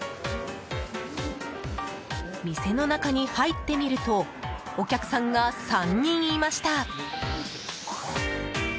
店の中に入ってみるとお客さんが３人いました。